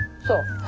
そう。